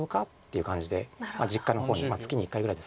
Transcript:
実家の方に月に１回ぐらいですか。